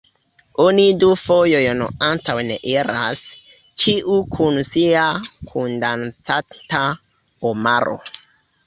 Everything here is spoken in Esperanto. Oni du fojojn antaŭen iras, ĉiu kun sia kundancanta omaro.